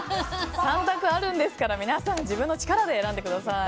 ３択あるんですから皆さん自分の力で選んでください。